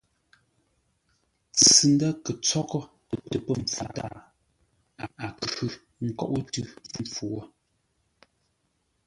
Ntsʉ-ndə̂ kə̂ ntsóghʼə́ tə pə̂ mpfu tâa, a khʉ̂ ńkóʼó tʉ́ mpfu wo.